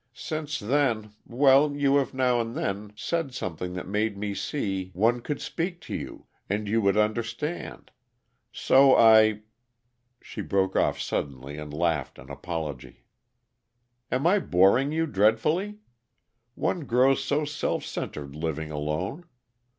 Since then well, you have now and then said something that made me see one could speak to you, and you would understand. So I " She broke off suddenly and laughed an apology. "Am I boring you dreadfully? One grows so self centered living alone.